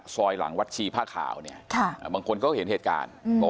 ซอยหลังวัชชีพระข่าวเนี่ยบางคนก็เห็นเหตุการณ์